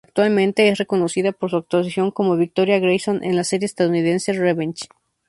Actualmente es reconocida por su actuación como Victoria Grayson en la serie estadounidense "Revenge".